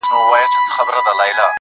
بچيه، زمونږ د غريبۍ دې ا لله بيخ اوباسي